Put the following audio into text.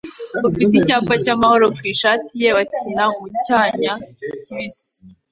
ufite icyapa cy'amahoro ku ishati ye bakina mu cyanya kibisi